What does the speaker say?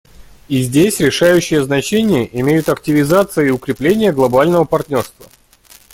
И здесь решающее значение имеют активизация и укрепление глобального партнерства.